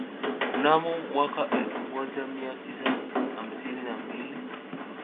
Mnamo mwaka elfu moja mia tisa hamsini na mbili